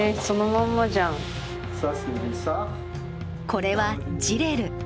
これはジレル。